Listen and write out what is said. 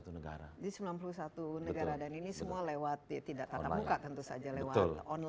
di sembilan puluh satu negara dan ini semua lewat tidak tatap muka tentu saja lewat online